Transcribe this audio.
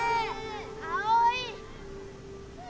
・葵！